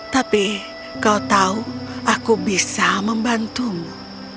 tapi kau tahu aku bisa membantumu